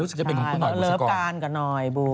รู้สึกจะเป็นของคุณหน่วยบุษอกร